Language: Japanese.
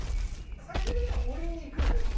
最終的には森に行くんですね。